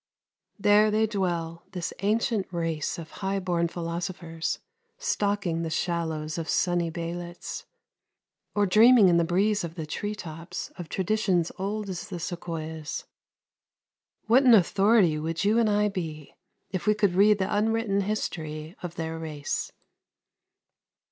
There they dwell, this ancient race of high born philosophers, stalking the shallows of sunny baylets, or dreaming in the breeze of the tree tops of traditions old as the sequoias. What an authority would you and I be if we could read the unwritten history of their race!